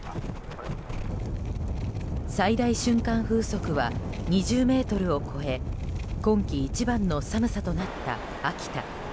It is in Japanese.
最大瞬間風速は２０メートルを超え今季一番の寒さとなった秋田。